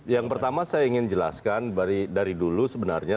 yang pertama saya ingin jelaskan dari dulu sebenarnya